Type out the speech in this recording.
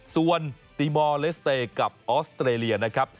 ส่วนตีมอร์เลสเตย์กับออสเตรเลียนะครับ